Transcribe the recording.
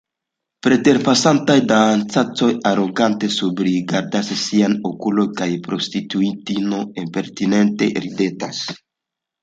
Preterpasantaj dandaĉoj arogante subrigardas ŝiajn okulojn kaj prostituitinoj impertinente ridetas.